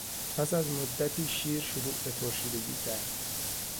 پس از مدتی شیر شروع به ترشیدگی کرد.